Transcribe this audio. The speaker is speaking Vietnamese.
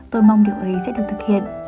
tôi mong điều ấy sẽ được thực hiện